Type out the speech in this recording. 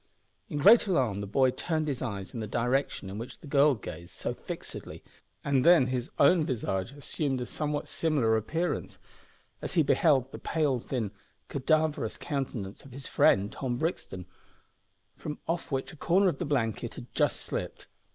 In great alarm the boy turned his eyes in the direction in which the girl gazed so fixedly, and then his own visage assumed a somewhat similar appearance as he beheld the pale, thin, cadaverous countenance of his friend Tom Brixton, from off which a corner of the blanket had just slipped.